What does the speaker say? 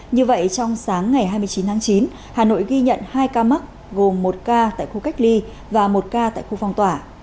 như vậy trong sáng ngày hai mươi chín tháng chín hà nội ghi nhận hai ca mắc gồm một ca tại khu cách ly và một ca tại khu phong tỏa